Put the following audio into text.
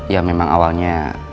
ya memang awalnya